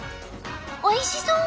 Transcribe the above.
おいしそう！